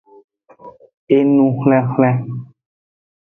Enuxwlexwle.